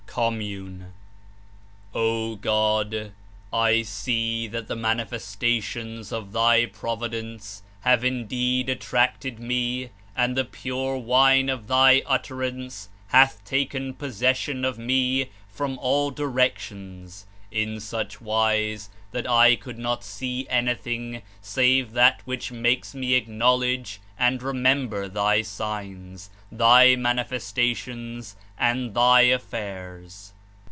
179 COMMUNE. "O God! I see that the manifestations of Thy Providence have indeed attracted me and the pure wine of Thy Utterance hath taken possession of me from all directions in such wise that I could not see anything save that which makes me acknowledge and remember Thy signs, Thy manifestations and Thy affairs.